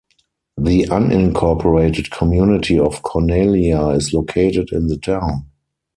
The unincorporated community of Cornelia is located in the town.